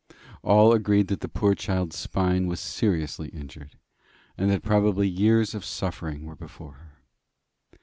All agreed that the poor child's spine was seriously injured, and that probably years of suffering were before her.